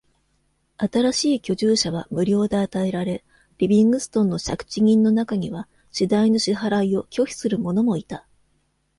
新しい居住者は無料で与えられ、リビングストンの借地人の中には地代の支払いを拒否する者もいた。